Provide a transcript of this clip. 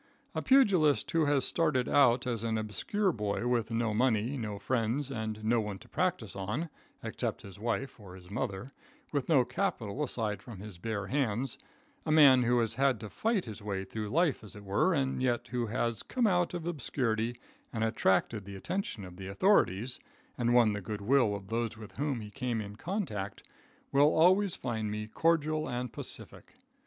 A pugilist who has started out as an obscure boy with no money, no friends, and no one to practice on, except his wife or his mother, with no capital aside from his bare hands; a man who has had to fight his way through life, as it were, and yet who has come out of obscurity and attracted the attention of the authorities, and won the good will of those with whom he came in contact, will always find me cordial and pacific.